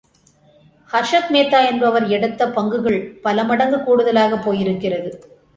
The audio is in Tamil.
ஹர்ஷத்மேத்தா என்பவர் எடுத்த பங்குகள் பல மடங்கு கூடுதலாகப் போயிருக்கிறது.